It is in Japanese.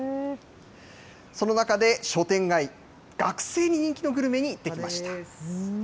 その中で、商店街、学生に人気のグルメに行ってきました。